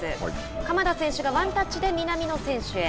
鎌田選手がワンタッチに南野選手へ。